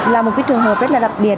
là một cái trường hợp rất là đặc biệt